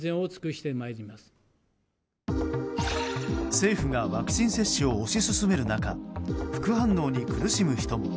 政府がワクチン接種を推し進める中副反応に苦しむ人も。